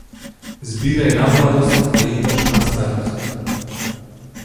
Збирај на младост, да имаш на старост.